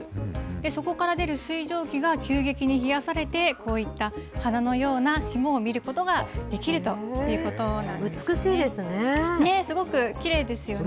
そこから出る水蒸気が急激に冷やされて、こういった花のような霜を見ることができるということな美しいですね。